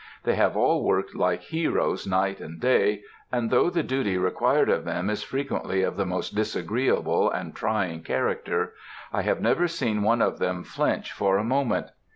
They have all worked like heroes night and day, and though the duty required of them is frequently of the most disagreeable and trying character, I have never seen one of them flinch for a moment.